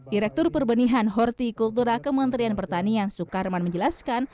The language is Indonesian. direktur perbenihan hortikultura kementerian pertanian sukarman menjelaskan